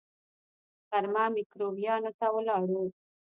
غرمه ميکرويانو ته ولاړو.